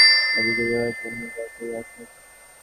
এ দিকে বিবাহের দিন নিকট হইয়া আসিয়াছে।